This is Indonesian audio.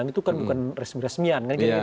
itu kan bukan resmi resmian kan